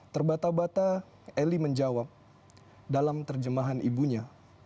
terbata bata eli menjawab dalam terjemahan ibunya